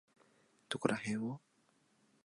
どこらへんを？